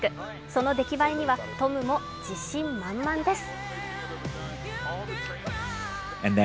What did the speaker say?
その出来栄えにはトムも自信満々です。